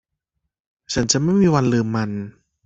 ฉันจะไม่มีวันลืมมัน